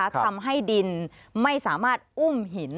ทำให้ดินไม่สามารถอุ้มหิน